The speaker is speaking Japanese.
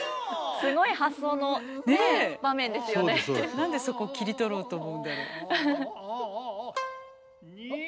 何でそこ切り取ろうと思うんだろ？